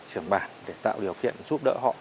trưởng bản để tạo điều kiện giúp đỡ họ